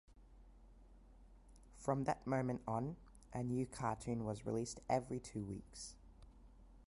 From that moment on, a new cartoon was released every two weeks.